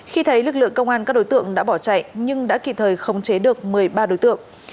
khi thấy lực lượng công an các đối tượng đã bỏ chạy nhưng đã kịp thời khống chế được một mươi ba đối tượng